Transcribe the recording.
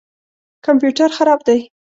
کمپیوټر خراب دی